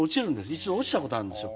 一度落ちたことあるんですよ。